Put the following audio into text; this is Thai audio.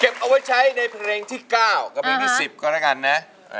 เอาไว้ใช้ในเพลงที่๙กับเพลงที่๑๐ก็แล้วกันนะ